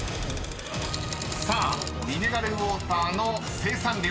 ［さあミネラルウォーターの生産量